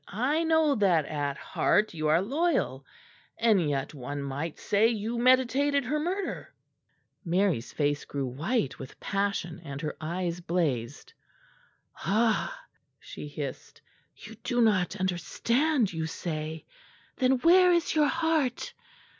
"I know that at heart you are loyal; and yet one might say you meditated her murder." Mary's face grew white with passion and her eyes blazed. "Ah!" she hissed, "you do not understand, you say? Then where is your heart?